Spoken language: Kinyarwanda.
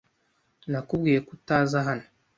Nakubwiye ko utaza hano.